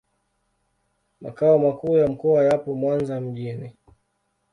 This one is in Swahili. Makao makuu ya mkoa yapo Mwanza mjini.